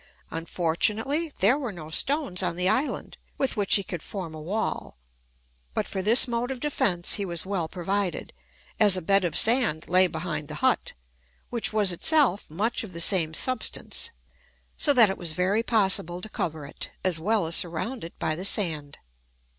Unfortunately, there were no stones on the island, with which he could form a wall; but for this mode of defence he was well provided, as a bed of sand lay behind the hut, which was itself much of the same substance; so that it was very possible to cover it, as well as surround it by the sand.